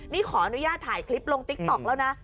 นี่ขออนุญาตถ่ายคลิปลงติ๊กต๊อกแล้วนะ